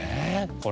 これ。